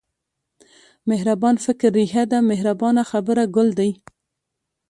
مهربان فکر رېښه ده مهربانه خبره ګل دی.